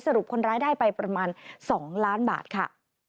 สรุปคนร้ายได้ไปประมาณ๒ล้านบาทค่ะ